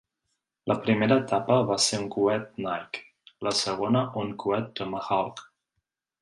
La primera etapa va ser un coet Nike, la segona un coet Tomahawk.